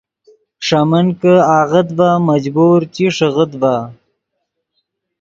ݰے من کہ آغت ڤے مجبور چی ݰیغیت ڤے